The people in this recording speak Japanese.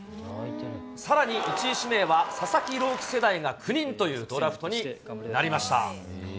さらに１位指名は佐々木朗希世代が９人という、ドラフトになりました。